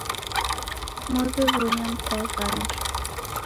Mwaw'ewonia mka wa w'andu .